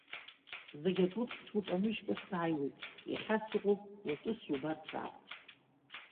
Зегь акоуп, сгәы камыжькәа сааиуеит, иахьа сыҟоуп, уаҵәы субар саахә!